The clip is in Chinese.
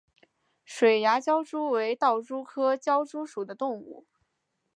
水涯狡蛛为盗蛛科狡蛛属的动物。